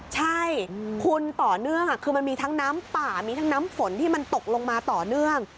ใช่คุณต่อเนื่องคือมันมีทั้งน้ำป่ามีทั้งน้ำฝนที่มันตกลงมาต่อเนื่อง